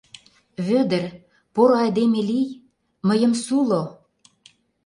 Вӧдыр, поро айдеме лий: мыйым суло...